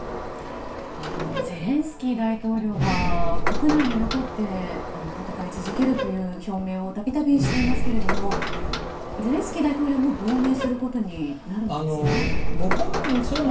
ゼレンスキー大統領は国内に残って戦い続けるという表明を度々していますけれどもゼレンスキー大統領も亡命することになるんですか？